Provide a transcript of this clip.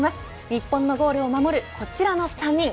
日本のゴールを守るこちらの３人。